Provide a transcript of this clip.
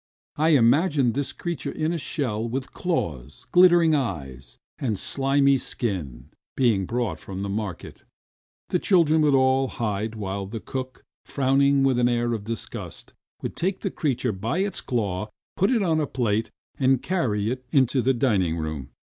I imagined this creature in a shell with claws, glittering eyes, and a slimy skin, being brought from the market. ... The children would all hide while the cook, frowning with an air of disgust, would take the creature by its claw, put it on a plate, and carry it into the dining room.